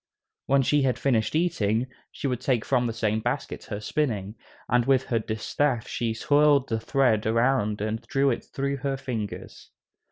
When she had finished eating, she would take from the same basket her spinning, and with her distaff she twirled the thread around and drew it through her fingers.